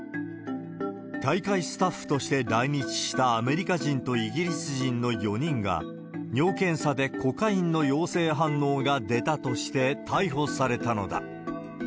大会スタッフとして来日したアメリカ人とイギリス人の４人が、尿検査でコカインの陽性反応が出たとして逮捕されたのだ。